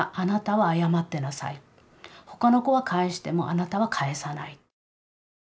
他の子は帰してもあなたは帰さない」。